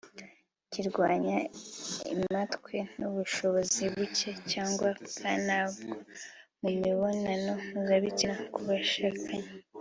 kirwanya impatwe n’ubushobozi buke cyangwa bwa ntabwo mu mibonano mpuzabitsina ku bashakanye